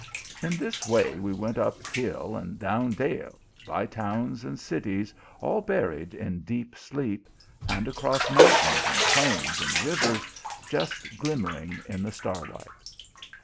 In this way we went up hill and down dale, by towns and cities all buried in deep sleep, and across mountains, and plains, and rivers, jus* glimmering, in the starlight.